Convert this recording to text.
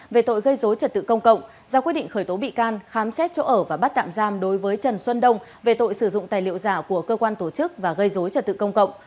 về tội gây dối trật tự công cộng ra quyết định khởi tố bị can khám xét chỗ ở và bắt tạm giam đối với trần xuân đông về tội sử dụng tài liệu giả của cơ quan tổ chức và gây dối trật tự công cộng